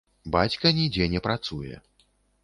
Бацька нідзе не працуе.